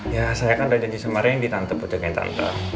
ya saya kan udah janji semarin ditante berjaga jagain tante